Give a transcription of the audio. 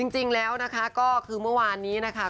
จริงแล้วนะคะก็คือเมื่อวานนี้นะคะ